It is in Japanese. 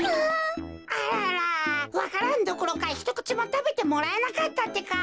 わか蘭どころかひとくちもたべてもらえなかったってか。